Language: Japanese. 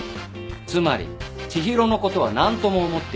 つまり知博のことは何とも思っていない。